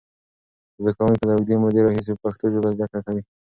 زده کوونکي له اوږدې مودې راهیسې په پښتو زده کړه کوي.